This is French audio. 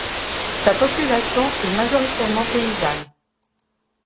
Sa population est majoritairement paysanne.